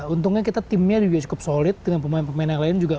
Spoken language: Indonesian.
untungnya kita timnya juga cukup solid dengan pemain pemain yang lain juga